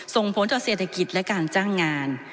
ส่งผลต่อเศรษฐกิจและการจ้างงาน